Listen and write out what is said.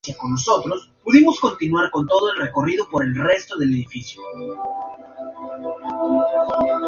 Reunió contribuciones, requisó fondos de la Aduana, y aumentó sus efectivos.